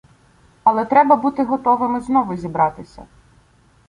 Але треба бути готовими знову зібратися.